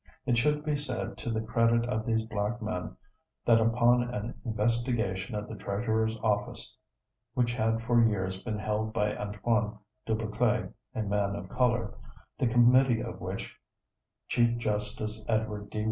It should be said to the credit of these black men that upon an investigation of the Treasurer's office which had for years been held by Antoine Dubuclet, a man of color, the committee of which Chief Justice Edward D.